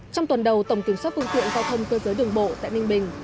trong tuần đầu tổng kiểm soát phương tiện giao thông cơ giới đường bộ tại ninh bình